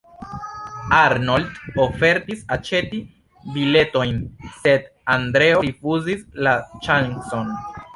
Arnold ofertis aĉeti biletojn, sed Andreo rifuzis la ŝancon.